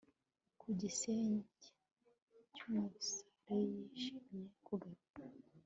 ku gisenge cy'umusare yishimiye kugaruka